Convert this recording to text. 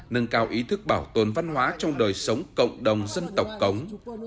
nâng cao ý thức bảo tồn văn hóa trong đời sống cộng đồng dân tộc cống